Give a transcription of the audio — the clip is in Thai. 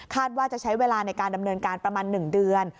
ว่าจะใช้เวลาในการดำเนินการประมาณ๑เดือน